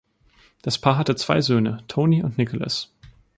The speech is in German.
Das Paar hatte zwei Söhne, Tony und Nicholas.